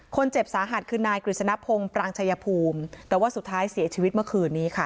คนเจ็บสาหัสคือนายกฤษณพงศ์ปรางชายภูมิแต่ว่าสุดท้ายเสียชีวิตเมื่อคืนนี้ค่ะ